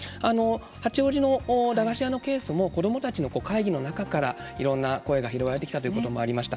八王子の駄菓子屋のケースも子どもたちの会議の中からいろんな声が広がってきたということもありました。